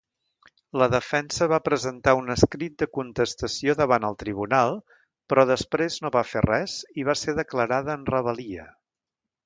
La defensa va presentar un escrit de contestació davant el Tribunal, però després no va fer res i va ser declarada en rebel·lia.